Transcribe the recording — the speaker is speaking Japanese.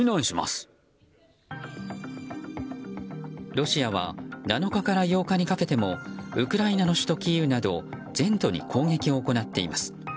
ロシアは７日から８日にかけてもウクライナの首都キーウなど全土に攻撃を行っています。